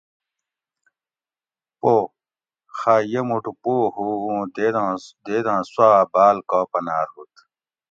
پو: خہ یہ موٹو پو ہوُ اُوں دیداں سوا باۤل کا پنار ہوُت